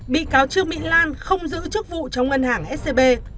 bị cáo trương mỹ lan không giữ chức vụ trong ngân hàng scb